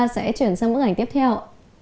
sẽ chuyển sang bức ảnh tiếp theo